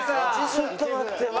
ちょっと待ってもう。